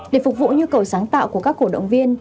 để phục vụ nhu cầu sáng tạo của các cổ động viên